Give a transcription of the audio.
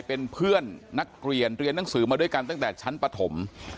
เป็นเพื่อนนักเรียนเรียนหนังสือมาด้วยกันตั้งแต่ชั้นปฐม